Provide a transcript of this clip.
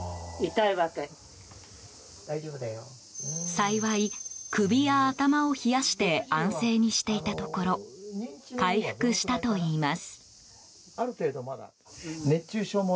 幸い、首や頭を冷やして安静にしていたところ回復したといいます。